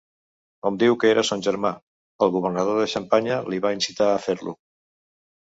Hom diu que era son germà, el governador de Xampanya li va incitar a fer-lo.